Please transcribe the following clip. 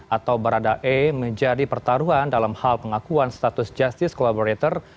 atau baradae menjadi pertaruhan dalam hal pengakuan status justice collaborator